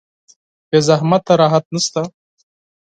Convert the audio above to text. بې زحمته راحت نشته.